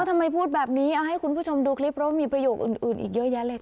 ทำไมพูดแบบนี้เอาให้คุณผู้ชมดูคลิปเพราะว่ามีประโยคอื่นอีกเยอะแยะเลยค่ะ